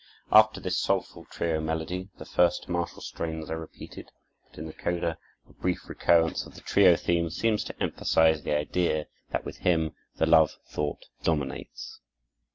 After this soulful trio melody, the first martial strains are repeated; but in the coda, a brief recurrence of the trio theme seems to emphasize the idea that with him the love thought dominates.